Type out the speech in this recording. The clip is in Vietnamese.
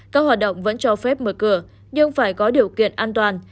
các hoạt động vẫn cho phép mở cửa nhưng phải có điều kiện an toàn